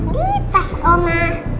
di pas oma